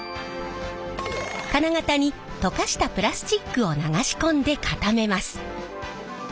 金型に溶かしたプラスチックを流し込んで固めます。